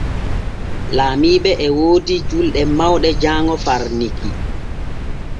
Laamiiɓe e woodi julɗe mawɗe jaaŋo far Niki.